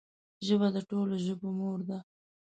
ژبه د ټولو ژبو مور ده